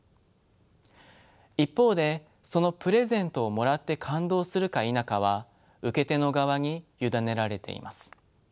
一方でそのプレゼントをもらって感動するか否かは受け手の側に委ねられています。